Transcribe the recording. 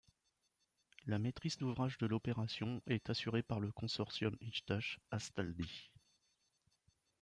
La maîtrise d'ouvrage de l'opération est assurée par le consortium İçtaş-Astaldi.